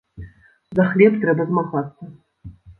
За хлеб трэба змагацца!